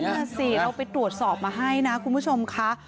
นั่นสิเราไปตรวจสอบมาให้นะคุณผู้ชมค่ะ